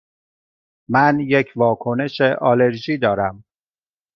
من یک واکنش آلرژی دارم.